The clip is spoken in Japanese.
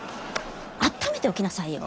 あっためておきなさいよ。